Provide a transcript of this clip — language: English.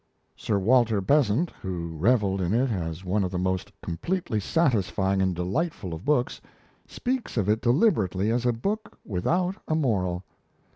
Sir Walter Besant, who revelled in it as one of the most completely satisfying and delightful of books, speaks of it deliberately as a book without a moral.